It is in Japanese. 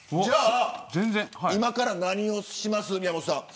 今から何をします、宮本さん。